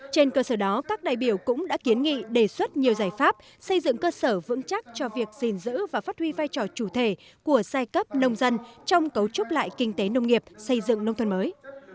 trên cơ sở đó các đại biểu cũng đã kiến nghị đề xuất nhiều giải pháp xây dựng cơ sở vững chắc cho việc gìn giữ và phát huy vai trò chủ thể của giai cấp nông dân trong cấu trúc lại kinh tế nông nghiệp xây dựng nông thôn mới